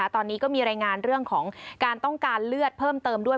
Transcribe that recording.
ตอนนี้ก็มีรายงานเรื่องของการต้องการเลือดเพิ่มเติมด้วย